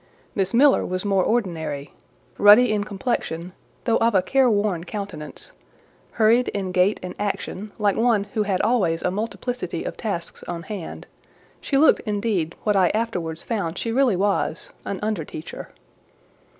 Miss Miller was more ordinary; ruddy in complexion, though of a careworn countenance; hurried in gait and action, like one who had always a multiplicity of tasks on hand: she looked, indeed, what I afterwards found she really was, an under teacher.